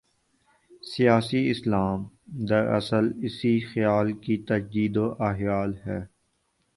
'سیاسی اسلام‘ دراصل اسی خیال کی تجدید و احیا ہے۔